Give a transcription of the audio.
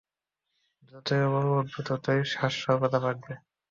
যতই উপরে উঠবে, ততই শ্বাসস্বল্পতা বাড়বে।